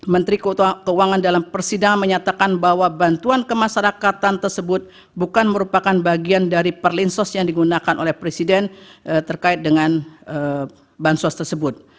menteri keuangan dalam persidangan menyatakan bahwa bantuan kemasyarakatan tersebut bukan merupakan bagian dari perlinsos yang digunakan oleh presiden terkait dengan bansos tersebut